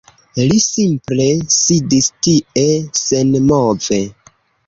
Li simple sidis tie, senmove.